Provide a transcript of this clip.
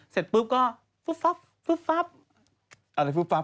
เสร็จปุ๊ปก็ฟุบฟับฟุบฟับ